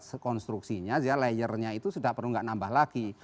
nah konstruksinya ya layernya itu sudah perlu enggak nambah lagi